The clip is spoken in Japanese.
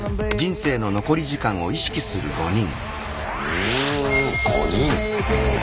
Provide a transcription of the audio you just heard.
うん５人。